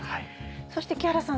そして木原さん